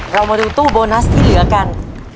เรามาดูตู้โบนัสที่เหลือกัน